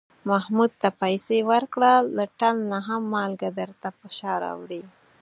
محمود ته پسې ورکړه، له ټل نه هم مالگه درته په شا راوړي.